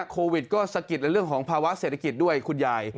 โควิดก็สะกิดในเรื่องของภาวะเศรษฐกิจด้วยคุณยาย